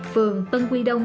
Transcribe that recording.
phường tân quy đông